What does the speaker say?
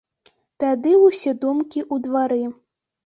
Тады ўсе думкі ў двары.